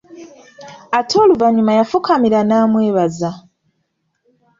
Ate oluvannyuma yafukamira n'amwebaza.